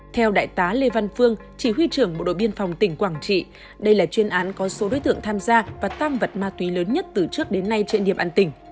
theo đại tá lê văn phương chỉ huy trưởng bộ đội biên phòng tỉnh quảng trị đây là chuyên án có số đối tượng tham gia và tam vật ma túy lớn nhất từ trước đến nay trên địa bàn tỉnh